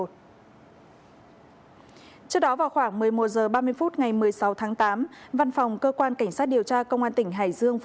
trước đó vào khoảng một mươi một h ba mươi phút ngày một mươi sáu tháng tám văn phòng cơ quan cảnh sát điều tra công an tỉnh hải dương